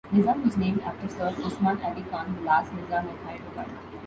"Nizam" was named after Sir Osman Ali Khan, The Last Nizam of Hyderabad.